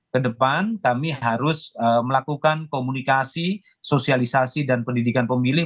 kedepan kami harus melakukan komunikasi sosialisasi dan pendidikan pemilih